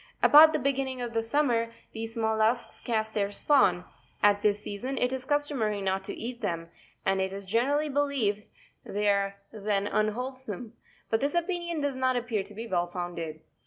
About the beginning of summer these mollusks cast their spawn : at this season it is customary not to eat them, and it is generally believed they are then unwholesome, but this opinion does not appear to be well founded.